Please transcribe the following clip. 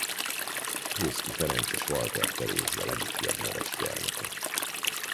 Pulszky Ferenc és Walter Terézia legifjabb neves gyermeke.